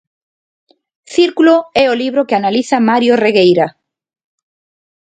Círculo é o libro que analiza Mario Regueira.